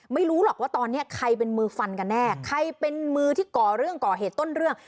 ไม่รู้หรอกว่าตอนนี้ใครเป็นมือฟันกันแน่ใครเป็นมือที่ก่อเรื่องก่อเหตุต้นเรื่อง